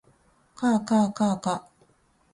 かあかあかあか